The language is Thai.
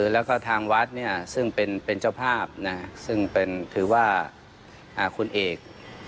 แล้วก็ทางวัดซึ่งเป็นเจ้าภาพซึ่งถือว่าคุณเอก